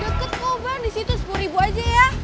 deket mau bang disitu sepuluh ribu aja ya